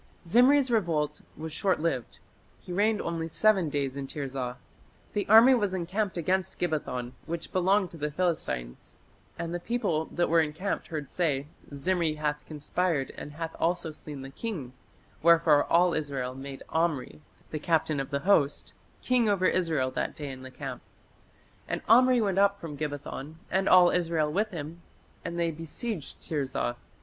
Zimri's revolt was shortlived. He reigned only "seven days in Tirzah". The army was "encamped against Gibbethon, which belonged to the Philistines. And the people that were encamped heard say, Zimri hath conspired and hath also slain the king; wherefore all Israel made Omri, the captain of the host, king over Israel that day in the camp. And Omri went up from Gibbethon and all Israel with him, and they besieged Tirzah.